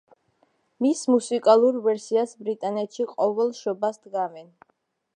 მის მუსიკალურ ვერსიას ბრიტანეთში ყოველ შობას დგამენ.